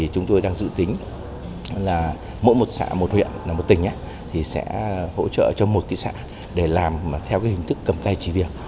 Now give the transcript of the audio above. chúng tôi đang dự tính là mỗi một xã một huyện là một tỉnh sẽ hỗ trợ cho một thị xã để làm theo hình thức cầm tay chỉ việc